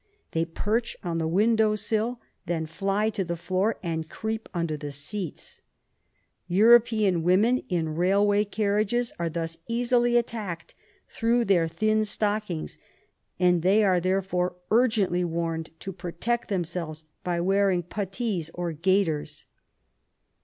They perch on the window sill, then fly to the floor and creep under the seats. European women in railway carriages are thus easily attacked, through their thin stockings, and they are there fore urgently warned to protect themselves by wearing putties or gaiters.